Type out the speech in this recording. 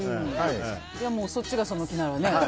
そっちがその気ならね。